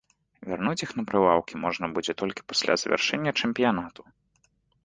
Вярнуць іх на прылаўкі можна будзе толькі пасля завяршэння чэмпіянату.